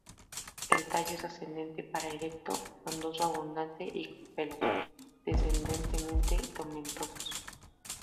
El tallo es ascendente para erecto, frondoso abundante y con pelos densamente tomentosos.